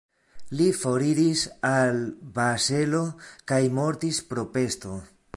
Li foriris al Bazelo kaj mortis pro pesto.